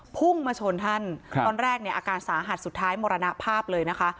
พุ่งมาชนท่านครับตอนแรกเนี่ยอาการสาหัสสุดท้ายมรณภาพเลยนะคะ